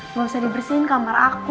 nggak usah dibersihin kamar aku